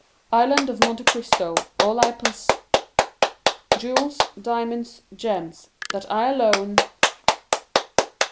Island of Monte Cristo, all I poss... jewels, diamonds, gems; that I alone...